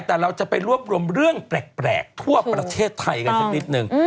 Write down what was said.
แต่เราจะไปรวบรวมเรื่องแปลกทั่วประเทศไทยกันสักนิดนึง